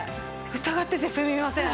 疑っててすみません。